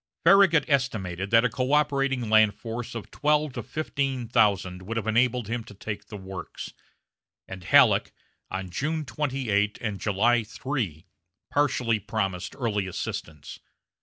Farragut estimated that a coöperating land force of twelve to fifteen thousand would have enabled him to take the works; and Halleck, on June 28 and July 3, partially promised early assistance.